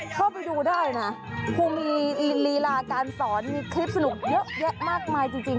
เข้าไปดูได้นะครูมีลีลาการสอนมีคลิปสนุกเยอะแยะมากมายจริง